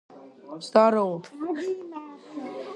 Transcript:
შესაბამისად ბესო პირველი ლედი გახდა.